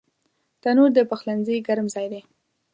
تنور د پخلنځي ګرم ځای دی